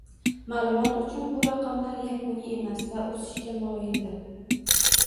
Ma'lumot uchun, bu raqamlar yakuniy emas va o'sishga moyildir